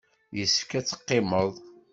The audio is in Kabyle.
Yessefk ad teqqimeḍ.